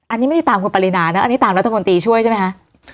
อันนี้ไม่ได้ตามคุณปรินานะอันนี้ตามรัฐมนตรีช่วยใช่ไหมคะ